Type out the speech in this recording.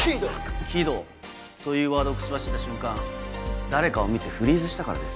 「鬼道」というワードを口走った瞬間誰かを見てフリーズしたからです。